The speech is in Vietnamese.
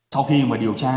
sau khi mà điều tra